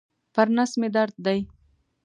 پر نس مي درد دی.